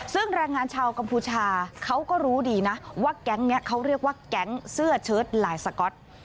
ซึ่งแรงงานชาวกัมพูชาเขาก็รู้ดีนะว่าแก๊งนี้เขาเรียกว่าแก๊งเสื้อเชิดลายสก๊อต